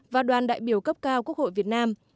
và đoàn đại biểu cấp cao quốc hội việt nam